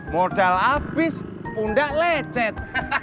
modal habis undak lecet